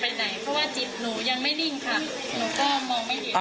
ไหนเพราะว่าจิตหนูยังไม่นิ่งค่ะหนูก็มองไม่เห็น